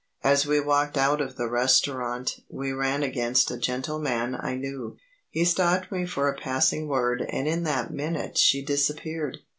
As we walked out of the restaurant we ran against a gentleman I knew. He stopped me for a passing word and in that minute she disappeared.